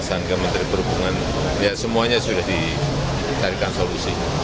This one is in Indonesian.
saat menilai penanganan mudik tahun ini lebih baik dibanding tahun lalu